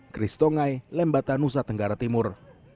chris tongai lembata nusa tenggara timur